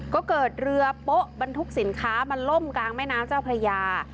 ก็เกิดเรือโป๊ะบรรทุกสินค้ามาล่มกลางแม่น้ำเจ้าพระยา